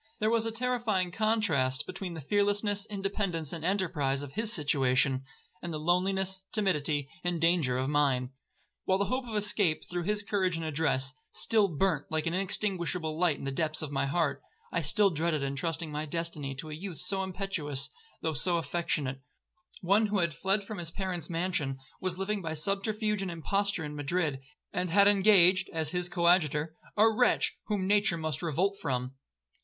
There was a terrifying contrast between the fearlessness, independence, and enterprise of his situation, and the loneliness, timidity, and danger of mine. While the hope of escape, through his courage and address, still burnt like an inextinguishable light in the depth of my heart, I still dreaded entrusting my destiny to a youth so impetuous, though so affectionate; one who had fled from his parents' mansion, was living by subterfuge and imposture in Madrid, and had engaged, as his coadjutor, a wretch whom nature must revolt from.